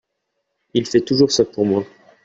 Il fait toujours ça pour moi.